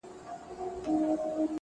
• چي هر څه یم په دنیا کي ګرځېدلی,